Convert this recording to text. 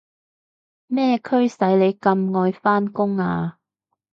係咩驅使你咁愛返工啊？